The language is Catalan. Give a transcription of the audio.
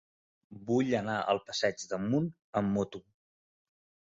Vull anar al passeig d'Amunt amb moto.